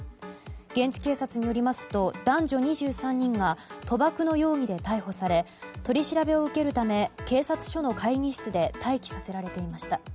現地警察によりますと男女２３人が賭博の容疑で逮捕され取り調べを受けるため警察署の会議室で待機させられていました。